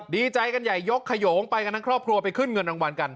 ดีใจกันใหญ่ยกขยงไปกันทั้งครอบครัวไปขึ้นเงินรางวัลกัน